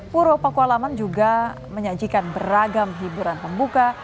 puro pakualaman juga menyajikan beragam hiburan pembuka